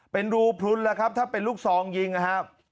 เป็นรูพลุนแล้วครับถ้าเป็นลูกซองยิงนะครับ